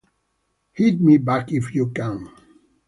Hit me back if you can!